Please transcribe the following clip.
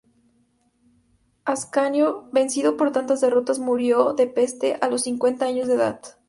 Ascanio, vencido por tantas derrotas murió de peste a los cincuenta años de edad.